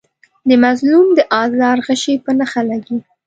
د مظلوم د آزار غشی په نښه لګي.